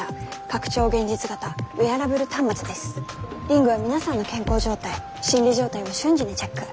リングは皆さんの健康状態心理状態を瞬時にチェック。